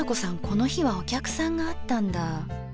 この日はお客さんがあったんだ。